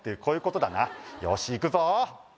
こういうことだなよしいくぞ」